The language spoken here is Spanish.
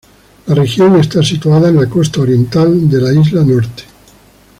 La región está situada en la costa oriental de la Isla Norte.